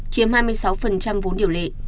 chiếm hai mươi sáu vốn điều lệ